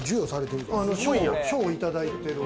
賞をいただいてる。